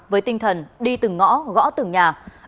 với tinh thần đi từng ngõ gõ từng nhà